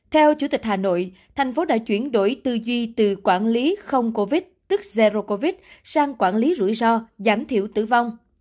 theo chủ tịch hà nội thành phố đã chuyển đổi tư duy từ quản lý không covid tức zero covid sang quản lý rủi ro giảm thiểu tử vong